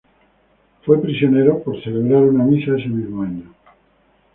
Él fue prisionero por celebrar una misa ese mismo año.